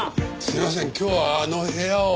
すいません今日はあの部屋を。